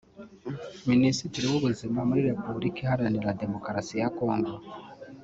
Minisitiri w’Ubuzima muri Repubulika Iharanira Demokarasi ya Congo